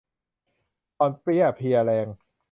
อ่อนเปลี้ยเพลียแรง